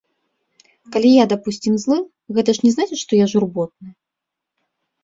Калі я, дапусцім, злы, гэта ж не значыць, што я журботны?